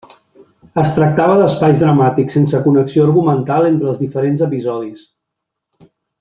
Es tractava d'espais dramàtics sense connexió argumental entre els diferents episodis.